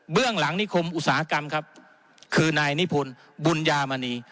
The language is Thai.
เรื่องหลังนิคมอุตสาหกรรมครับคือนายนิพนธ์บุญญามณี